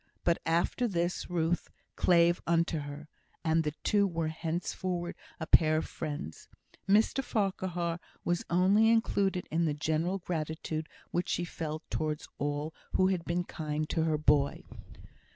But after this, Ruth "clave unto her," and the two were henceforward a pair of friends. Mr Farquhar was only included in the general gratitude which she felt towards all who had been kind to her boy.